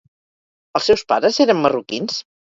Els seus pares eren marroquins?